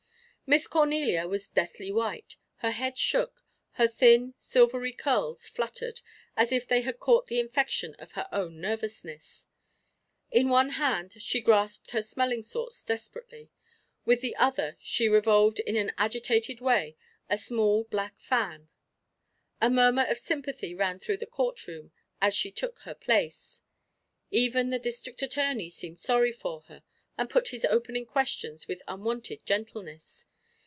Miss Cornelia was deathly white; her head shook, her thin, silvery curls fluttered, as if they had caught the infection of her own nervousness. In one hand she grasped her smelling salts desperately, with the other she revolved in an agitated way a small black fan. A murmur of sympathy ran through the court room as she took her place. Even the District Attorney seemed sorry for her and put his opening questions with unwonted gentleness.